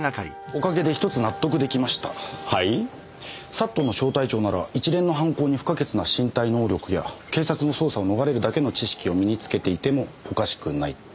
ＳＡＴの小隊長なら一連の犯行に不可欠な身体能力や警察の捜査を逃れるだけの知識を身につけていてもおかしくない。